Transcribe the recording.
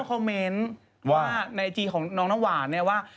คุณเขาคอมเมนต์ว่าในไอจีของน้องน้องหวานเนี่ยว่า